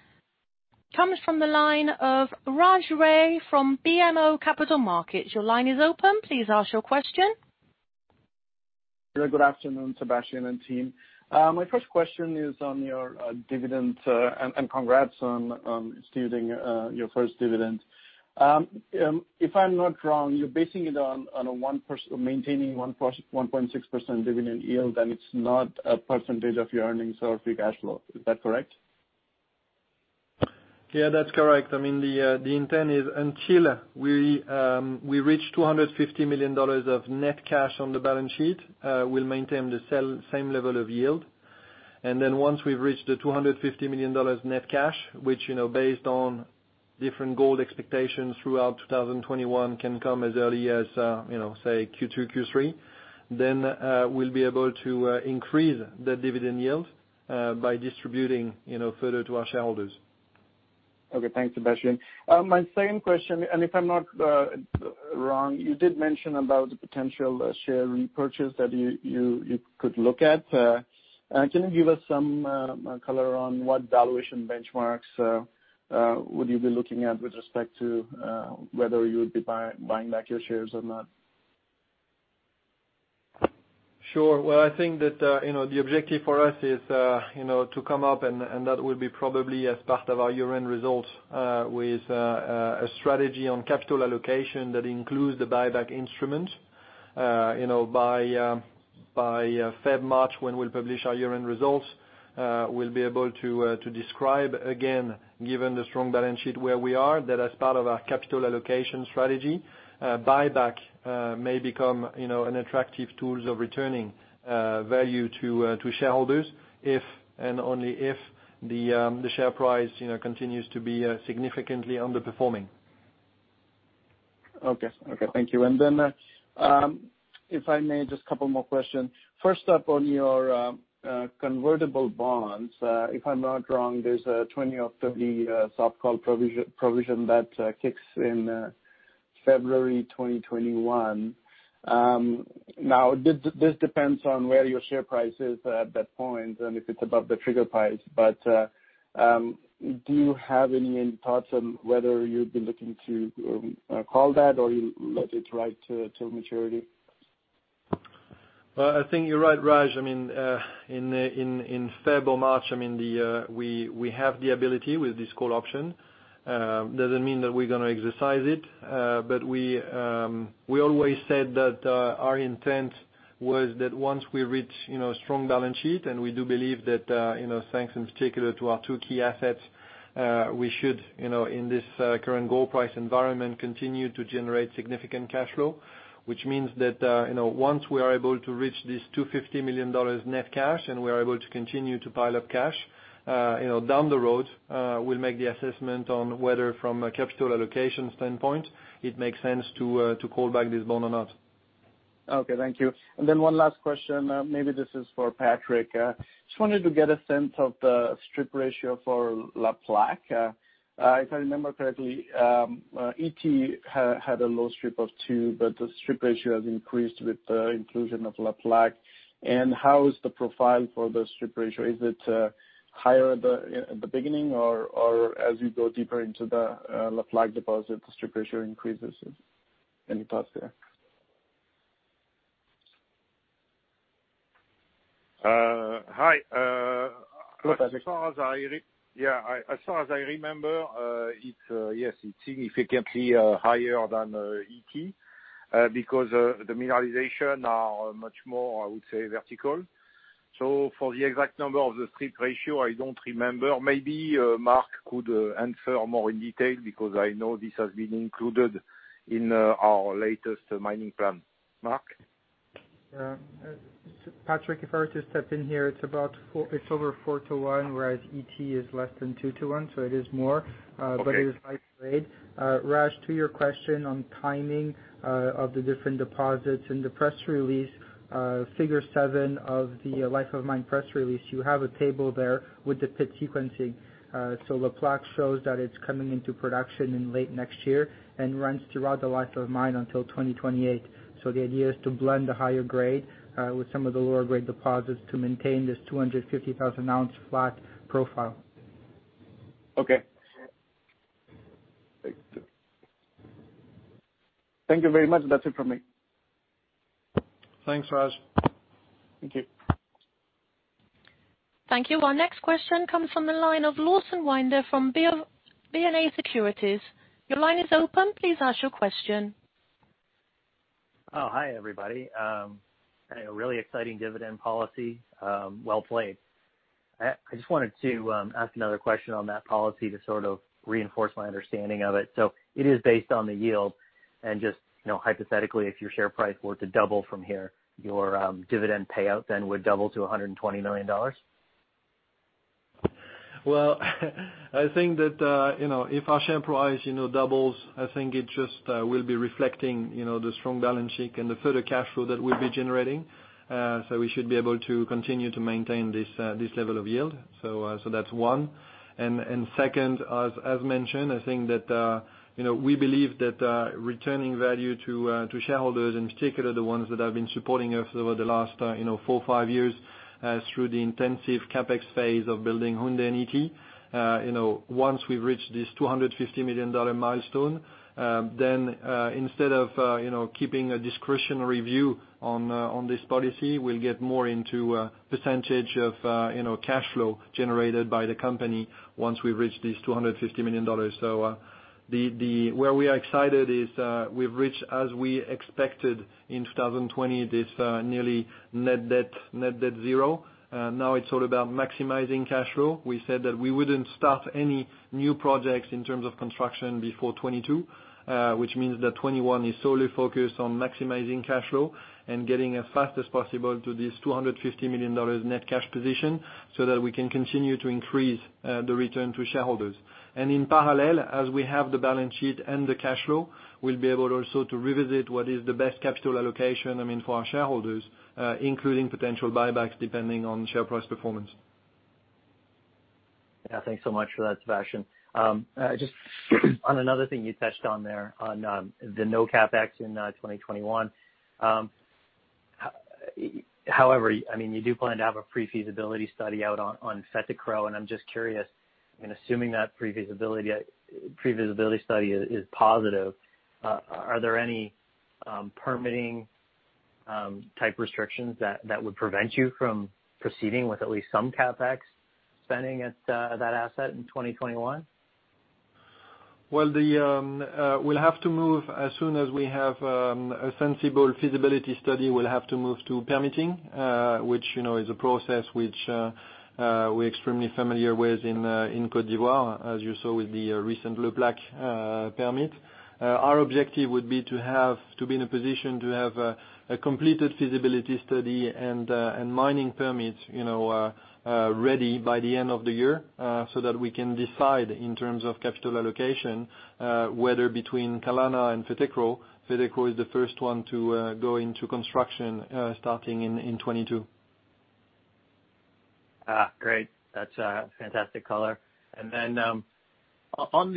comes from the line of Raj Ray from BMO Capital Markets. Your line is open. Please ask your question. Good afternoon, Sébastien and team. My first question is on your dividend, and congrats on instituting your first dividend. If I'm not wrong, you're maintaining 1.6% dividend yield, and it's not a percentage of your earnings or free cash flow. Is that correct? Yeah, that's correct. The intent is until we reach $250 million of net cash on the balance sheet, we'll maintain the same level of yield. Once we've reached the $250 million net cash, which based on different gold expectations throughout 2021 can come as early as, say Q2, Q3, then we'll be able to increase the dividend yield by distributing further to our shareholders. Okay. Thanks, Sébastien. My second question, if I'm not wrong, you did mention about the potential share repurchase that you could look at. Can you give us some color on what valuation benchmarks would you be looking at with respect to whether you would be buying back your shares or not? Sure. Well, I think that the objective for us is to come up, and that will be probably as part of our year-end result with a strategy on capital allocation that includes the buyback instrument. By February, Markh, when we'll publish our year-end results, we'll be able to describe, again, given the strong balance sheet where we are, that as part of our capital allocation strategy, buyback may become an attractive tools of returning value to shareholders if and only if the share price continues to be significantly underperforming. Okay. Thank you. Then, if I may, just a couple more questions. First up on your convertible bonds. If I'm not wrong, there's a 20 of 30 soft call provision that kicks in February 2021. This depends on where your share price is at that point and if it's above the trigger price. Do you have any thoughts on whether you'd be looking to call that or you let it ride to maturity? Well, I think you're right, Raj. In Feb or March, we have the ability with this call option. Doesn't mean that we're going to exercise it. We always said that our intent was that once we reach a strong balance sheet, and we do believe that thanks in particular to our two key assets, we should, in this current gold price environment, continue to generate significant cash flow. Means that once we are able to reach this $250 million net cash and we are able to continue to pile up cash, down the road, we'll make the assessment on whether from a capital allocation standpoint it makes sense to call back this bond or not. Okay. Thank you. One last question, maybe this is for Patrick. Just wanted to get a sense of the strip ratio for Le Plaque. If I remember correctly, Ity had a low strip of two, but the strip ratio has increased with the inclusion of Le Plaque. How is the profile for the strip ratio? Is it higher at the beginning or as you go deeper into the Le Plaque deposit, the strip ratio increases? Any thoughts there? Hi. Hi, Patrick. Yeah. As far as I remember, yes, it's significantly higher than Ity because the mineralization are much more, I would say, vertical. For the exact number of the strip ratio, I don't remember. Maybe Mark could answer more in detail because I know this has been included in our latest mining plan. Mark? Yeah. Patrick, if I were to step in here, it's over four to one, whereas Ity is less than two to one, It is more- Okay It is high grade. Raj, to your question on timing of the different deposits. In the press release, figure seven of the life of mine press release, you have a table there with the pit sequencing. Le Plaque shows that it's coming into production in late next year and runs throughout the life of mine until 2028. The idea is to blend the higher grade, with some of the lower grade deposits to maintain this 250,000-ounce flat profile. Okay. Thank you very much. That's it from me. Thanks, Raj. Thank you. Thank you. Our next question comes from the line of Lawson Winder from BofA Securities. Your line is open. Please ask your question. Oh, hi, everybody. A really exciting dividend policy. Well played. I just wanted to ask another question on that policy to sort of reinforce my understanding of it. It is based on the yield and just hypothetically, if your share price were to double from here, your dividend payout then would double to $120 million? Well I think that, if our share price doubles, I think it just will be reflecting the strong balance sheet and the further cash flow that we'll be generating. We should be able to continue to maintain this level of yield. That's one. Second, as mentioned, I think that we believe that returning value to shareholders, in particular the ones that have been supporting us over the last four or five years through the intensive CapEx phase of building Houndé and Ity. Once we've reached this $250 million milestone, then instead of keeping a discretionary view on this policy, we'll get more into a percentage of cash flow generated by the company once we've reached this $250 million. Where we are excited is we've reached as we expected in 2020, this nearly net debt zero. Now it's all about maximizing cash flow. We said that we wouldn't start any new projects in terms of construction before 2022, which means that 2021 is solely focused on maximizing cash flow and getting as fast as possible to this $250 million net cash position so that we can continue to increase the return to shareholders. In parallel, as we have the balance sheet and the cash flow, we'll be able also to revisit what is the best capital allocation for our shareholders, including potential buybacks depending on share price performance. Yeah, thanks so much for that, Sébastien. Just on another thing you touched on there on the no CapEx in 2021, you do plan to have a pre-feasibility study out on Fetekro, and I'm just curious, assuming that pre-feasibility study is positive, are there any permitting type restrictions that would prevent you from proceeding with at least some CapEx spending at that asset in 2021? As soon as we have a sensible feasibility study, we'll have to move to permitting, which is a process which we're extremely familiar with in Côte d'Ivoire, as you saw with the recent Le Plaque permit. Our objective would be to be in a position to have a completed feasibility study and mining permit ready by the end of the year, so that we can decide in terms of capital allocation, whether between Kalana and Fetekro is the first one to go into construction starting in 2022. Great. That's a fantastic color. On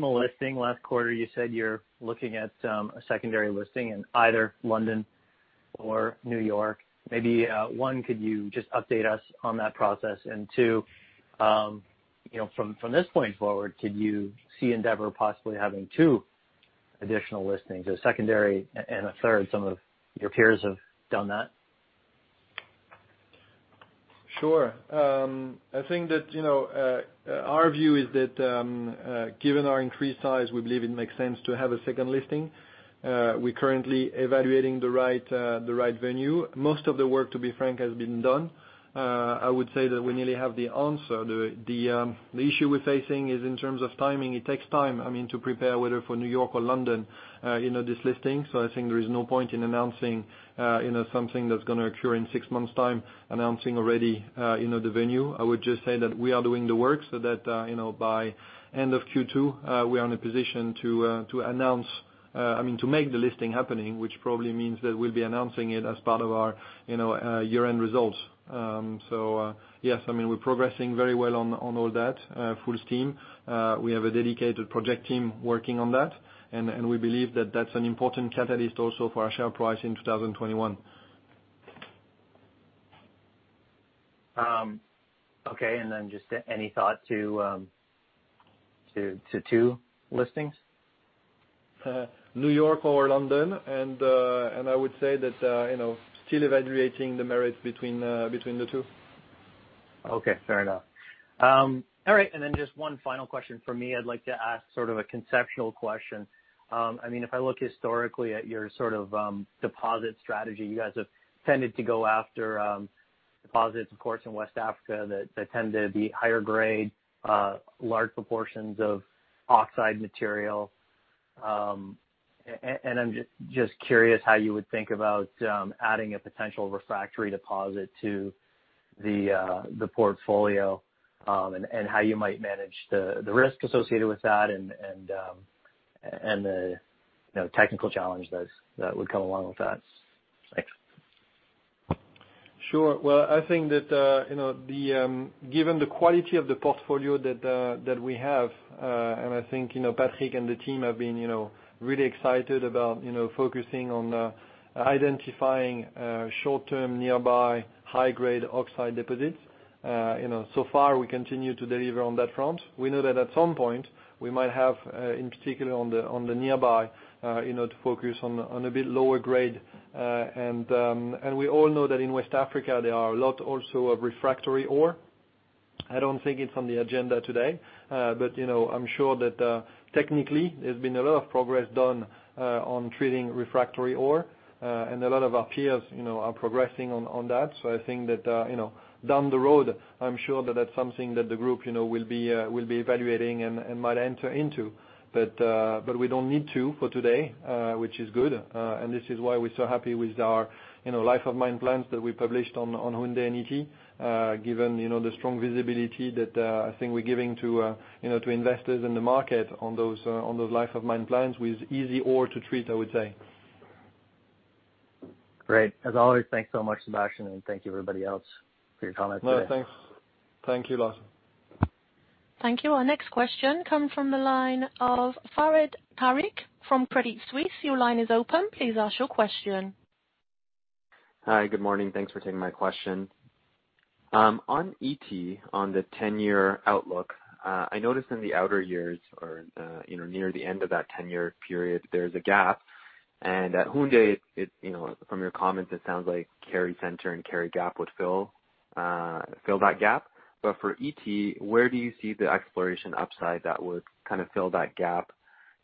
the listing, last quarter you said you're looking at a secondary listing in either London or New York. Maybe one, could you just update us on that process? Two, from this point forward, could you see Endeavour possibly having two additional listings, a secondary and a third? Some of your peers have done that. Sure. I think that our view is that given our increased size, we believe it makes sense to have a second listing. We're currently evaluating the right venue. Most of the work, to be frank, has been done. I would say that we nearly have the answer. The issue we're facing is in terms of timing. It takes time to prepare, whether for New York or London, this listing. I think there is no point in announcing something that's going to occur in 6 months' time, announcing already the venue. I would just say that we are doing the work so that by end of Q2, we are in a position to make the listing happening, which probably means that we'll be announcing it as part of our year-end results. Yes, we're progressing very well on all that, full steam. We have a dedicated project team working on that, and we believe that that's an important catalyst also for our share price in 2021. Okay, then just any thought to two listings? New York or London, I would say that still evaluating the merits between the two. Okay, fair enough. All right, just one final question from me. I'd like to ask sort of a conceptual question. If I look historically at your sort of deposit strategy, you guys have tended to go after deposits, of course, in West Africa that tend to be higher grade, large proportions of oxide material. I'm just curious how you would think about adding a potential refractory deposit to the portfolio, and how you might manage the risk associated with that and the technical challenge that would come along with that. Thanks. Sure. Well, I think that given the quality of the portfolio that we have, and I think Patrick and the team have been really excited about focusing on identifying short-term, nearby high-grade oxide deposits. So far, we continue to deliver on that front. We know that at some point we might have, in particular on the nearby, to focus on a bit lower grade. We all know that in West Africa there are a lot also of refractory ore. I don't think it's on the agenda today, but I'm sure that technically there's been a lot of progress done on treating refractory ore, and a lot of our peers are progressing on that. I think that down the road, I'm sure that that's something that the group will be evaluating and might enter into. We don't need to for today, which is good. This is why we're so happy with our life of mine plans that we published on Houndé and Ity, given the strong visibility that I think we're giving to investors in the market on those life of mine plans with easy ore to treat, I would say. Great. As always, thanks so much, Sébastien, and thank you everybody else for your comments today. No, thanks. Thank you, Lawson. Thank you. Our next question comes from the line of Fahad Tariq from Credit Suisse. Your line is open. Please ask your question. Hi. Good morning. Thanks for taking my question. On Ity, on the 10-year outlook, I noticed in the outer years or near the end of that 10-year period, there's a gap, and at Houndé, from your comments, it sounds like Kari Center and Kari Gap would fill that gap. For Ity, where do you see the exploration upside that would fill that gap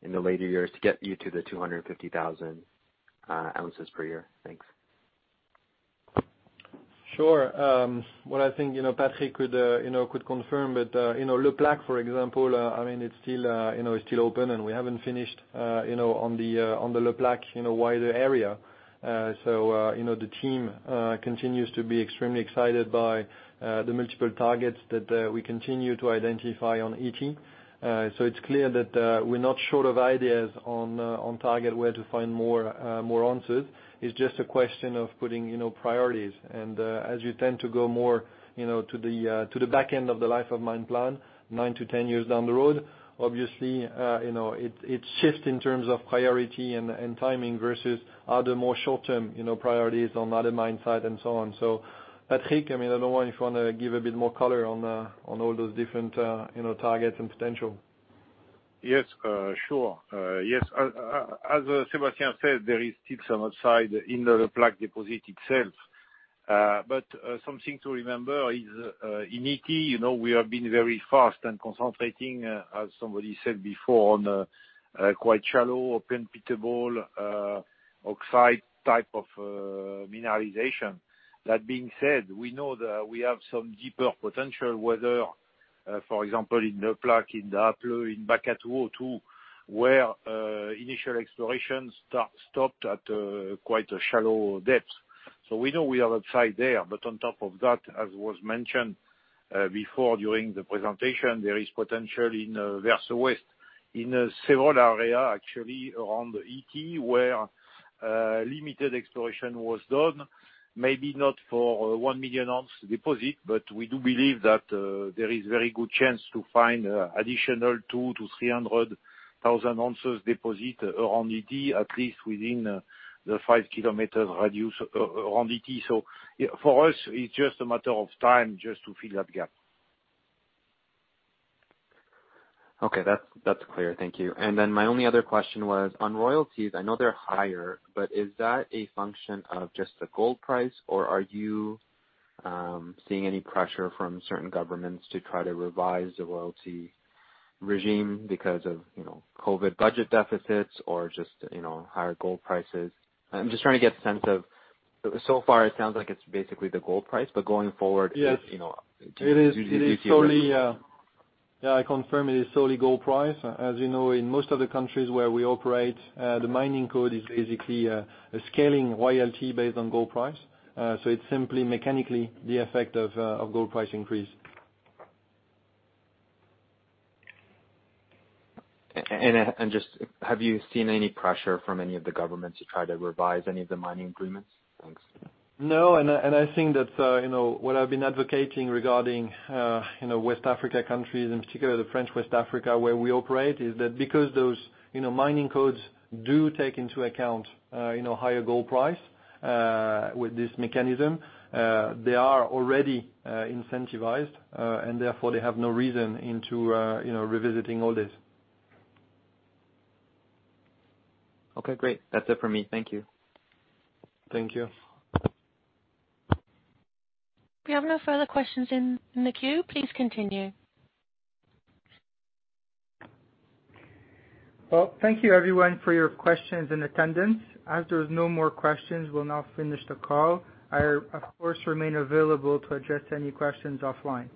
in the later years to get you to the 250,000 ounces per year? Thanks. Sure. Well, I think Patrick could confirm, but Le Plaque, for example, it's still open and we haven't finished on the Le Plaque wider area. The team continues to be extremely excited by the multiple targets that we continue to identify on Ity. It's clear that we're not short of ideas on target where to find more answers. It's just a question of putting priorities. As you tend to go more to the back end of the life of mine plan, 9-10 years down the road, obviously, it shifts in terms of priority and timing versus other more short-term priorities on other mine sites and so on. Patrick, I don't know if you want to give a bit more color on all those different targets and potential. Yes, sure. Yes. As Sébastien said, there is still some upside in the Le Plaque deposit itself. Something to remember is, in Ity, we have been very fast and concentrating, as somebody said before, on a quite shallow, open, pittable oxide type of mineralization. That being said, we know that we have some deeper potential, whether for example, in Le Plaque, in the Daapleu in Bakatouo too, where initial exploration stopped at quite a shallow depth. We know we have upside there. On top of that, as was mentioned before during the presentation, there is potential in Verse Ouest, in several areas actually around Ity, where limited exploration was done, maybe not for 1 million ounce deposit, but we do believe that there is very good chance to find additional 200,000-300,000 ounces deposit around Ity, at least within the 5-KM radius around Ity. For us, it's just a matter of time just to fill that gap. Okay. That's clear. Thank you. My only other question was on royalties. I know they're higher, is that a function of just the gold price, or are you seeing any pressure from certain governments to try to revise the royalty regime because of COVID budget deficits or just higher gold prices? I'm just trying to get a sense of, so far it sounds like it's basically the gold price. Yes Do you see a- It is solely Yeah, I confirm it is solely gold price. As you know, in most of the countries where we operate, the mining code is basically a scaling royalty based on gold price. It's simply mechanically the effect of gold price increase. Just have you seen any pressure from any of the governments to try to revise any of the mining agreements? Thanks. No. I think that what I've been advocating regarding West Africa countries, in particular French West Africa, where we operate, is that because those mining codes do take into account higher gold price with this mechanism, they are already incentivized, and therefore they have no reason into revisiting all this. Okay, great. That's it for me. Thank you. Thank you. We have no further questions in the queue. Please continue. Well, thank you everyone for your questions and attendance. As there is no more questions, we'll now finish the call. I, of course, remain available to address any questions offline.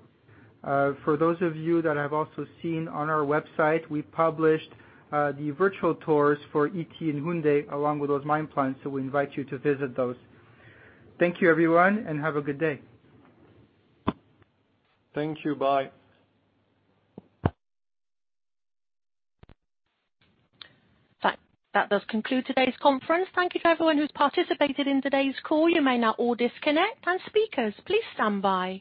For those of you that have also seen on our website, we published the virtual tours for Ity and Houndé, along with those mine plans, so we invite you to visit those. Thank you everyone, and have a good day. Thank you. Bye. That does conclude today's conference. Thank you to everyone who has participated in today's call. You may now all disconnect. Speakers, please stand by.